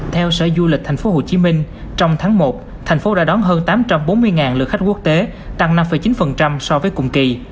theo sở du lịch tp hcm trong tháng một thành phố đã đón hơn tám trăm bốn mươi lượt khách quốc tế tăng năm chín so với cùng kỳ